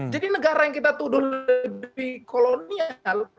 jadi negara yang kita tuduh lebih kolonial